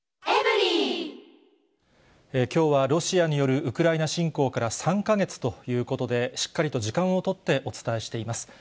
きょうはロシアによるウクライナ侵攻から３か月ということで、しっかりと時間を取ってお伝えしています。